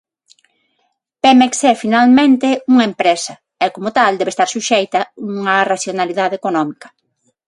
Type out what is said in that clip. Pemex é finalmente unha empresa e, como tal, debe estar suxeita unha racionalidade económica.